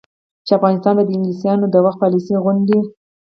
چې افغانستان به د انګلیسانو د وخت پالیسي غوندې،